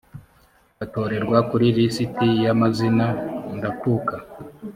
batorerwa kuri lisiti y amazina ndakuka